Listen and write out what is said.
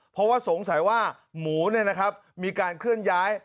เพราะว่าสงสัยว่าหมูมีการเคลื่อนย้าย